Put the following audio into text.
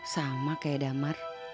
sama kayak damar